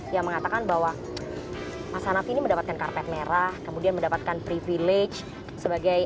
yang mengatakan bahwa mas hanafi ini mendapatkan karpet merah kemudian mendapatkan privilege sebagai